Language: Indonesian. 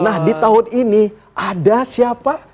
nah di tahun ini ada siapa